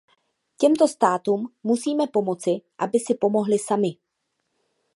Těmto státům musíme pomoci, aby si pomohly samy.